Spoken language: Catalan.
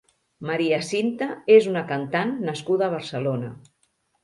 Maria Cinta és una cantant nascuda a Barcelona.